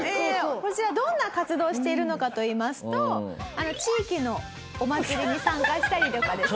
こちらどんな活動をしているのかといいますと地域のお祭りに参加したりとかですね。